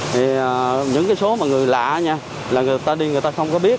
thì những cái số mà người lạ là người ta đi người ta không có biết